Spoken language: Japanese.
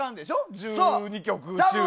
１２曲中。